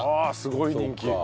あっすごい人気。